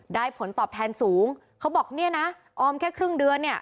ผลตอบแทนสูงเขาบอกเนี่ยนะออมแค่ครึ่งเดือนเนี่ย